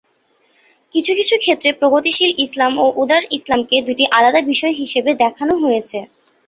কিছু কিছু ক্ষেত্রে প্রগতিশীল ইসলাম ও উদার ইসলামকে দুটি আলাদা বিষয় হিসেবে দেখানো হয়েছে।